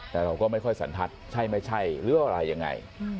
แต่เราก็ไม่ค่อยสันทัศน์ใช่ไม่ใช่หรืออะไรยังไง